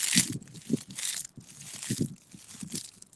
火箭动力飞机或称作火箭飞机是一种使用火箭来推进的航空器。